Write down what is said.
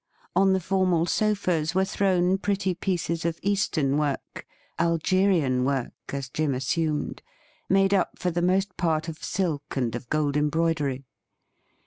On the formal sofas were thrown pretty pieces of Eastern work — ^Algerian work, as Jim assumed — made up for the most part of silk and of gold embroidery.